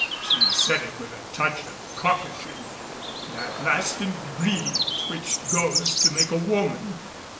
She said it with a touch of coquetry, that last ingredient which goes to make a woman.